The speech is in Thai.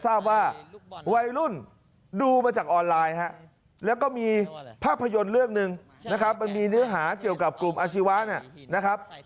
ทราบว่าวัยรุ่นดูมาจากออนไลน์แล้วก็มีภาพยนตร์เรื่องหนึ่งนะครับมันมีเนื้อหาเกี่ยวกับกลุ่มอาชีวะนะครับ